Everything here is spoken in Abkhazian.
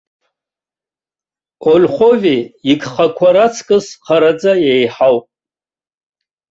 Ольхови игхақәа раҵкыс хараӡа еиҳауп.